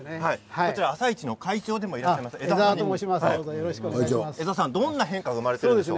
こちら朝市の会長でもいらっしゃいます江澤さんです。